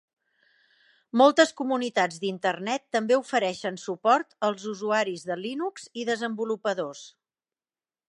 Moltes comunitats d'Internet també ofereixen suport als usuaris de Linux i desenvolupadors.